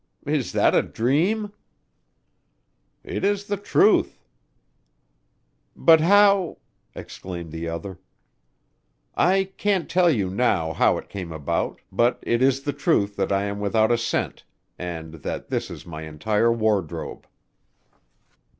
"Is that a dream?" "It is the truth." "But how " exclaimed the other. "I can't tell you now how it came about, but it is the truth that I am without a cent, and that this is my entire wardrobe."